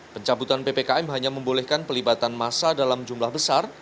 pencabutan ppkm hanya membolehkan pelibatan masa dalam jumlah besar